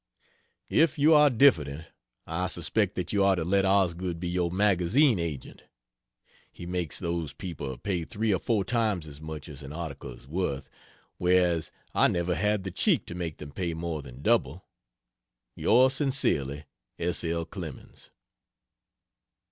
If you are diffident, I suspect that you ought to let Osgood be your magazine agent. He makes those people pay three or four times as much as an article is worth, whereas I never had the cheek to make them pay more than double. Yrs Sincerely S. L. CLEMENS.